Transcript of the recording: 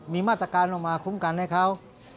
มีมาตรการลงมาคุ้มกันให้เขา